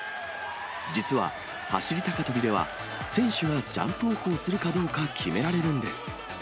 実は、走り高跳びでは、選手がジャンプオフをするかどうか決められるんです。